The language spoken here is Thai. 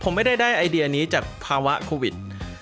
ผมไม่ได้ได้ไอเดียนี้จากภาวะโควิด